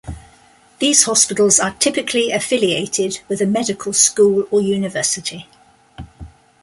These hospitals are typically affiliated with a medical school or university.